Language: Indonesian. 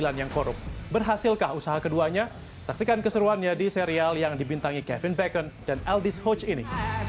berhasilkah usaha keduanya saksikan keseruannya di serial yang dibintangi kevin bacon dan aldies hoc ini